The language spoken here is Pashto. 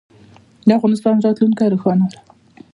د افغانستان راتلونکی روښانه دی.